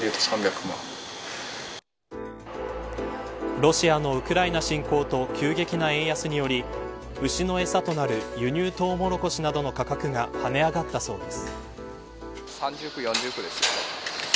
ロシアのウクライナ侵攻と急激な円安により牛の餌となる輸入トウモロコシなどの価格が跳ね上がったそうです。